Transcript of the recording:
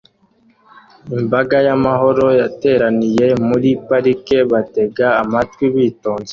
Imbaga y'amahoro yateraniye muri parike batega amatwi bitonze